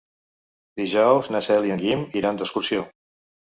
Dijous na Cel i en Guim iran d'excursió.